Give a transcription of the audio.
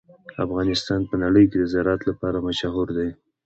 افغانستان په نړۍ کې د زراعت لپاره مشهور دی.